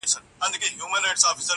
داسي حال په ژوند کي نه وو پر راغلی.!